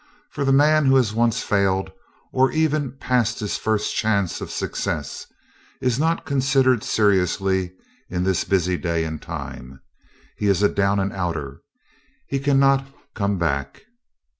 For the man who has once failed or even passed his first chance of success is not considered seriously in this busy day and time. He is a "down and outer"; he cannot "come back."